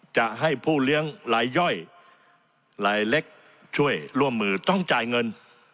จะให้ผู้เลี้ยงลายย่อยลายเล็กช่วยร่วมมือต้องจ่ายเงิน